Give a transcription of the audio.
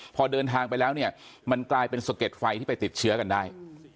พอเดินทางไปแล้วเนี่ยมันกลายเป็นสะเก็ดไฟที่ไปติดเชื้อกันได้